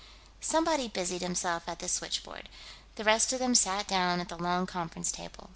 Somebody busied himself at the switchboard. The rest of them sat down at the long conference table.